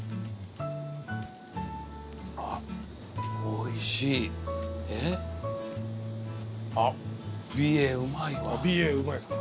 あっおいしい。